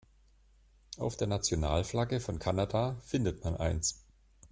Auf der Nationalflagge von Kanada findet man eins.